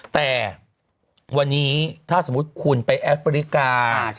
แต่วันนี้ถ้าสมมุติคุณไปแอฟริกา